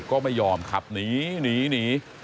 ก็ไม่ยอมขับหนีหนี